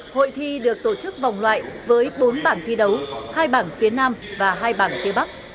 hội thi được tổ chức vòng loại với bốn bảng thi đấu hai bảng phía nam và hai bảng phía bắc